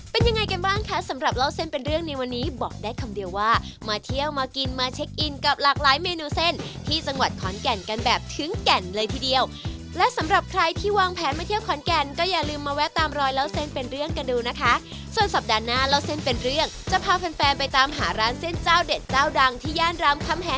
เป็นยังไงกันบ้างคะสำหรับเล่าเส้นเป็นเรื่องในวันนี้บอกได้คำเดียวว่ามาเที่ยวมากินมาเช็คอินกับหลากหลายเมนูสำหรับเราเส้นเป็นเรื่องในวันนี้บอกได้คำเดียวว่ามาเที่ยวมากินมาเช็คอินกับหลากหลายเมนูสำหรับเราเส้นเป็นเรื่องในวันนี้บอกได้คำเดียวว่ามาเที่ยวมากินมาเช็คอินกับหลากหลายเมนูสำหรับ